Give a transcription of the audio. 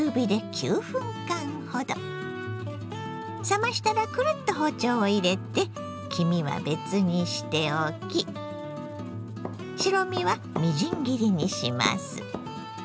冷ましたらクルッと包丁を入れて黄身は別にしておき白身はみじん切りにします。